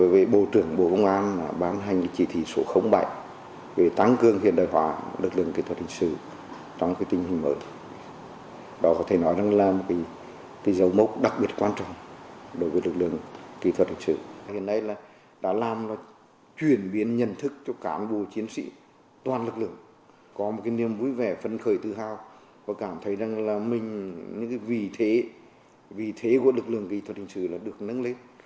vì vậy là mình những cái vị thế vị thế của lực lượng kỹ thuật hình sự là được nâng lên